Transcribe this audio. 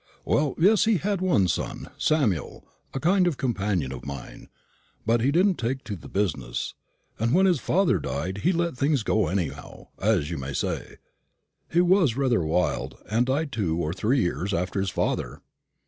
"Well, yes; he had one son, Samuel, a kind of companion of mine. But he didn't take to the business, and when his father died he let things go anyhow, as you may say. He was rather wild, and died two or three years after his father."